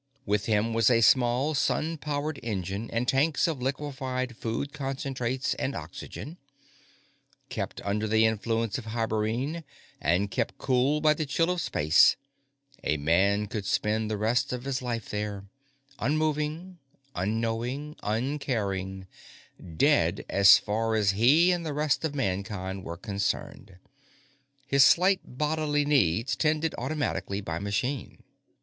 With him was a small, sun powered engine and tanks of liquified food concentrates and oxygen. Kept under the influence of hibernene, and kept cool by the chill of space, a man could spend the rest of his life there unmoving, unknowing, uncaring, dead as far as he and the rest of Mankind were concerned his slight bodily needs tended automatically by machine.